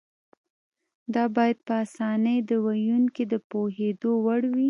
دا باید په اسانۍ د ویونکي د پوهېدو وړ وي.